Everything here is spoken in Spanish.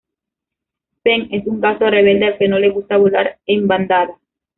Peng es un ganso rebelde al que no le gusta volar en bandada.